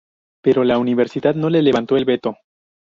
Pero la universidad no le levantó el veto.